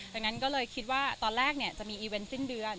ดังนั้นก็เลยคิดว่าตอนแรกจะมีอีเวนต์สิ้นเดือน